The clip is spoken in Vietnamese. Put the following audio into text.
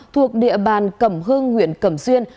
thuộc địa bàn cẩm hương huyện cẩm xuyên